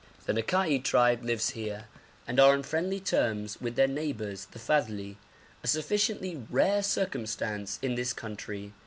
The Nakai tribe live here, and are on friendly terms with their neighbours the Fadhli a sufficiently rare circumstance in this country.